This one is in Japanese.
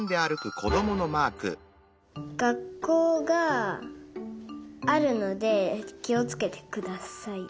がっこうがあるのできをつけてください。